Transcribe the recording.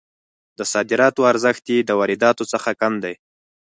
د صادراتو ارزښت یې د وارداتو څخه کم دی.